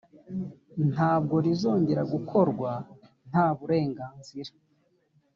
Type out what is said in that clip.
ntabwo rizongera gukorwa ntaburenganzira